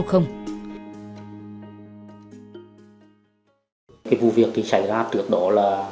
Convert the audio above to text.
cái vụ việc thì xảy ra trước đó là